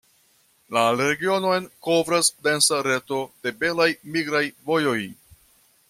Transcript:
La regionon kovras densa reto de belaj migraj vojoj.